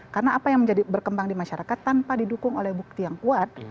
karena apa yang berkembang di masyarakat tanpa didukung oleh bukti yang kuat